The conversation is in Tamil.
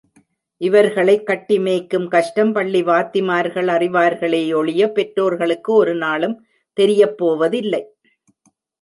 இவர்களைக் கட்டிமேய்க்கும் கஷ்டம் பள்ளி வாத்திமார்கள் அறிவார்களேயொழிய, பெற்றோர்களுக்கு ஒரு நாளும் தெரியப்போவதில்லை.